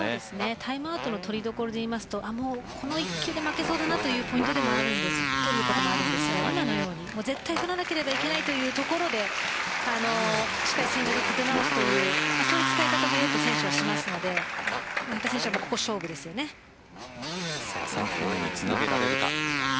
タイムアウトの取りどころで言うとこの１球で負けそうだなというところで取ることもあるんですが今のように絶対に取らなければいけないというところでしっかり戦術を立て直すという使い方もしますので３球目につなげられるか。